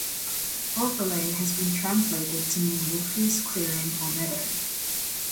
Ulverlei has been translated to mean Wulfhere's clearing or meadow.